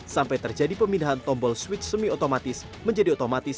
sampai terjadi pemindahan tombol switch semi otomatis menjadi otomatis